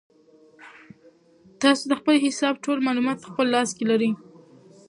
تاسو د خپل حساب ټول معلومات په خپل لاس کې لرئ.